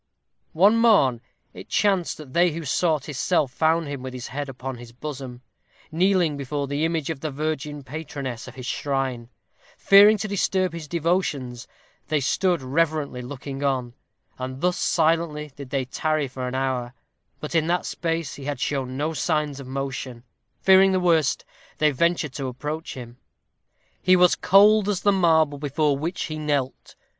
One morn it chanced that they who sought his cell found him with his head upon his bosom, kneeling before the image of the virgin patroness of his shrine. Fearing to disturb his devotions, they stood reverently looking on; and thus silently did they tarry for an hour; but, as in that space he had shown no signs of motion, fearing the worst, they ventured to approach him. He was cold as the marble before which he knelt.